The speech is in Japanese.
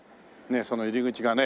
その入り口がね